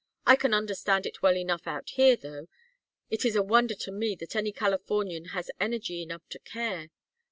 I can understand it well enough out here, though. It is a wonder to me that any Californian has energy enough to care.